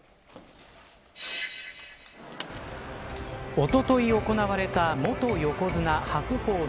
おととい行われた元横綱白鵬の